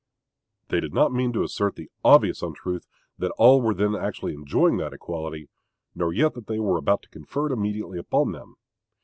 They did not mean to assert the obvious untruth that all were then actually enjoying that equality, nor yet that they were about to confer it immediately upon them.